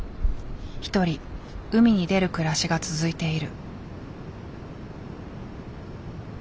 一人海に出る暮らしが続いている。